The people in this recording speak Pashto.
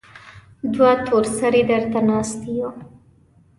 دوه تور سرې درته ناستې يو.